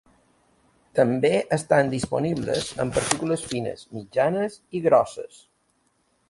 També estan disponibles en partícules fines, mitjanes i grosses.